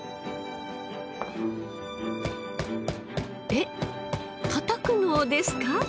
えったたくのですか？